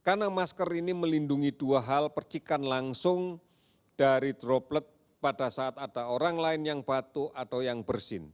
karena masker ini melindungi dua hal percikan langsung dari droplet pada saat ada orang lain yang batuk atau yang bersin